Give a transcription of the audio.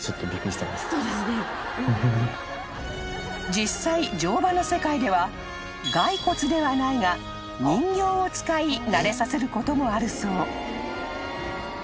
［実際乗馬の世界では骸骨ではないが人形を使い慣れさせることもあるそう］